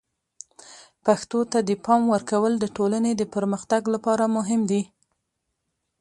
پښتو ته د پام ورکول د ټولنې د پرمختګ لپاره مهم دي.